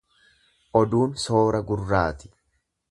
Oduun soora gurraati.